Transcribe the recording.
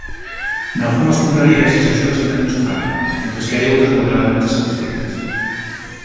Nalgunhas confrarías as axudas aínda non chegaron, mentres que hai outras moderadamente satisfeitas.